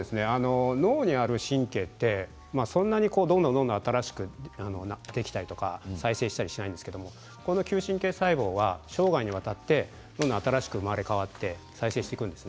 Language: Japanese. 脳にある神経ってそんなにどんどん新しくできたりとか再生したりしないんですけどこの嗅神経細胞は生涯にわたってどんどん新しく生まれ変わって再生していくんです。